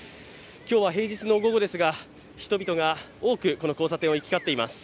今日は平日の午後ですが、人々が多くこの交差点を行き交っています。